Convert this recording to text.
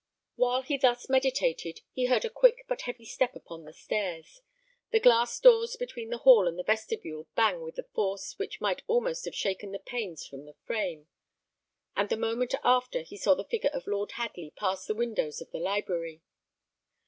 While he thus meditated, he heard a quick but heavy step upon the stairs, the glass doors between the hall and the vestibule bang with a force which might almost have shaken the panes from the frame, and the moment after he saw the figure of Lord Hadley pass the windows of the library.